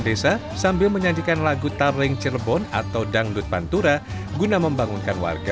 desa sambil menyanyikan lagu tareng cirebon atau dangdut pantura guna membangunkan warga